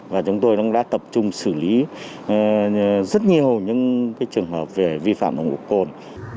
và chúng tôi đã tập trung xử lý rất nhiều những trường hợp về vi phạm nồng độ côn